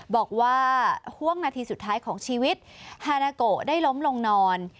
บอกว่าห่วงนาทีสุดท้ายของชีวิตฮานาโกได้ล้มลงนอน